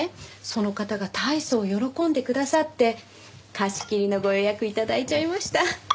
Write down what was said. その方がたいそう喜んでくださって貸し切りのご予約頂いちゃいました。